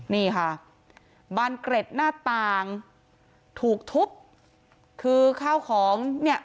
นี่ค่ะบานเกร็ดหน้าต่างถูกทุบคือข้าวของเนี่ย